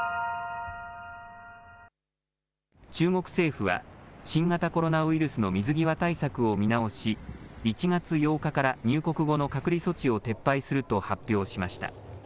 中国政府は、新型コロナウイルスの水際対策を見直し、１月８日から入国後の隔離措置を撤廃すると発表しました。